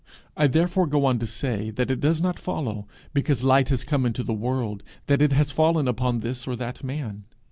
I therefore go on to say that it does not follow, because light has come into the world, that it has fallen upon this or that man.